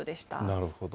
なるほど。